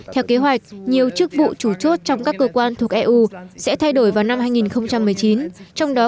theo kế hoạch nhiều chức vụ chủ chốt trong các cơ quan thuộc eu sẽ thay đổi vào năm hai nghìn một mươi chín trong đó